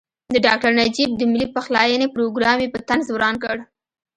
د ډاکټر نجیب د ملي پخلاینې پروګرام یې په طنز وران کړ.